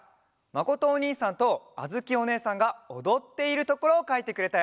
まことおにいさんとあづきおねえさんがおどっているところをかいてくれたよ。